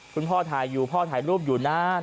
คุณพ่อถ่ายอยู่พ่อถ่ายรูปอยู่นาน